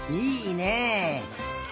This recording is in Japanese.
いいね！